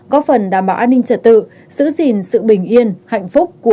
có phần đảm bảo an ninh trật tự giữ gìn sự bình yên hạnh phúc của các ngành